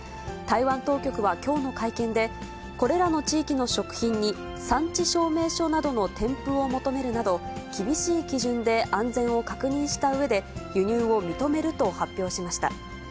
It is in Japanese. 台湾当局はきょうの会見で、これらの地域の食品に産地証明書などの添付を求めるなど、厳しい基準で安全を確認したうえで、輸入を認めると発表しました。